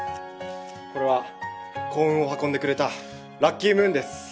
「これは幸運を運んでくれたラッキームーンです」